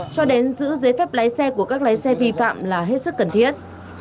cho đến giữ giấy phép lái xe của các lái xe vi phạm là hết sức cần thiết